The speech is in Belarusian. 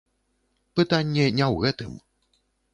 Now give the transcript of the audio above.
Пытанне не ў гэтым.